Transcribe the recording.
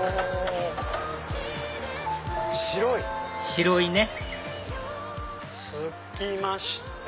白井ね着きました！